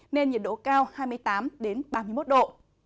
nên nhiệt độ cao hai mươi tám ba mươi một độ